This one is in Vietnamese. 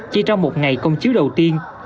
chỉ trong một ngày công chiếu đầu tiên